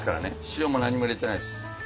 塩も何も入れてないです。